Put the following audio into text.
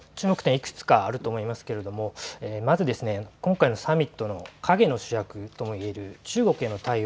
いくつかあると思いますけれどもまず、今回のサミットの影の主役とも言える中国への対応。